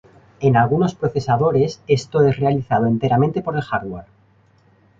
En algunos procesadores, esto es realizado enteramente por el hardware.